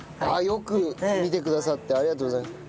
よく見てくださってありがとうございます。